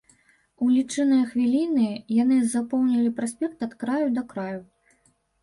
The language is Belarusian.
У лічаныя хвіліны яны запоўнілі праспект ад краю да краю.